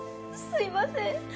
すいません！